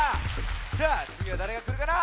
じゃあつぎはだれがくるかな？